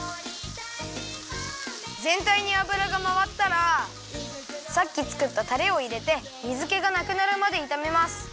ぜんたいに油がまわったらさっきつくったたれをいれて水けがなくなるまでいためます。